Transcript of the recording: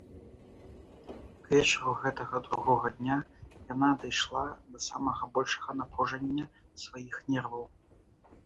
К вечару гэтага другога дня яна дайшла да самага большага напружання сваіх нерваў.